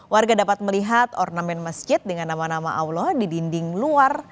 warga dapat melihat ornamen masjid dengan nama nama allah di dinding luar